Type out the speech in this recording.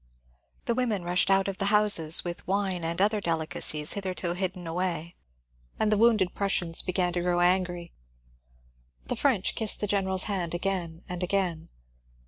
The women rushed out of the houses with wine and other delicacies, hitherto hidden away, and the wounded Prussians began to grow angry. The French kissed the general's hand again and again.